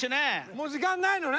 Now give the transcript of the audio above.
もう時間ないのね？